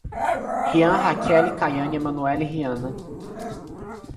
Riam, Raquele, Kaiane, Emanuely e Riana